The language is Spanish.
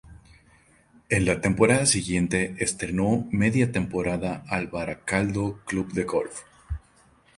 En la temporada siguiente entrenó media temporada al Barakaldo Club de Fútbol.